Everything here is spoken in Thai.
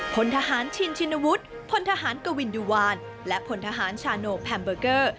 พลทหารชินชินวุฒิพลทหารกวินดุวานและพลทหารชาโนแพมเบอร์เกอร์